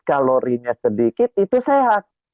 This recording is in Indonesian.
kalorinya sedikit itu sehat